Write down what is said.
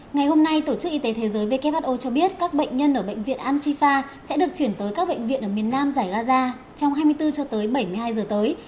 ngày hôm nay tổ chức y tế thế giới who cho biết các bệnh nhân ở bệnh viện amsifa sẽ được chuyển tới các bệnh viện ở miền nam giải gaza trong hai mươi bốn cho tới bảy mươi hai giờ tới